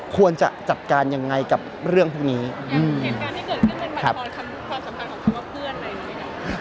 ควรจะจัดการยังไงกับเรื่องพวกนี้อืมอย่างเหตุการณ์ที่เกิดขึ้นเป็นความความความสำคัญของทุกคน